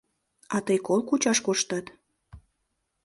— А тый кол кучаш коштат?